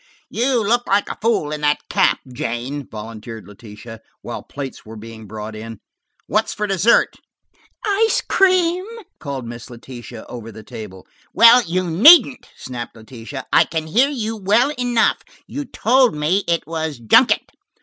"You look like a fool in that cap, Jane," volunteered Letitia, while the plates were being brought in. "What's for dessert?" "Ice cream," called Miss Jane, over the table. "Well, you needn't," snapped Letitia, "I can hear you well enough. You told me it was junket."